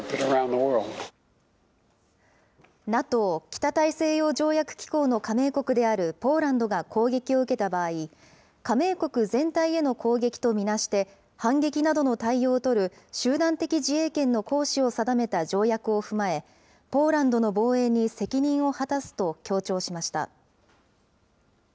ＮＡＴＯ・北大西洋条約機構の加盟国であるポーランドが攻撃を受けた場合、加盟国全体への攻撃と見なして、反撃などの対応を取る集団的自衛権の行使を定めた条約を踏まえ、ポーランドの防衛に責任を果たすと強調しました。